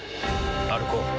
歩こう。